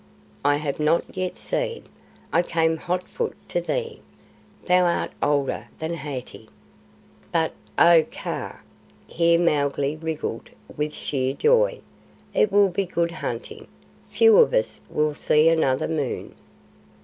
"I have not yet seen. I came hot foot to thee. Thou art older than Hathi. But oh, Kaa," here Mowgli wriggled with sheerjoy, "it will be good hunting. Few of us will see another moon."